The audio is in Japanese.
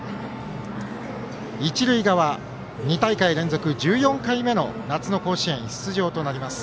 一塁側、２大会連続１４回目の夏の甲子園出場となります